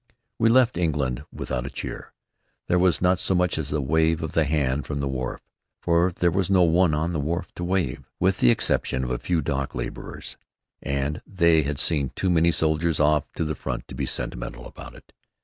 We left England without a cheer. There was not so much as a wave of the hand from the wharf; for there was no one on the wharf to wave, with the exception of a few dock laborers, and they had seen too many soldiers off to the front to be sentimental about it.